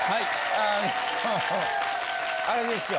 あのあれですよ。